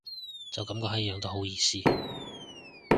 就噉個閪樣都好意思